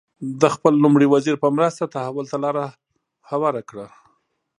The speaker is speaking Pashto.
د خپل لومړي وزیر په مرسته تحول ته لار هواره کړه.